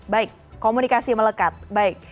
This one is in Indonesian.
baik komunikasi melekat baik